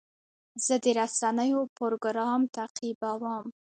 زه د رسنیو پروګرام تعقیبوم.